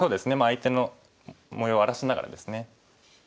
相手の模様を荒らしながらですね。